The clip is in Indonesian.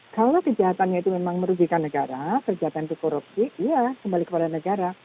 kalau kejahatannya itu memang merugikan negara kejahatan di korupsi iya kembali kepada negara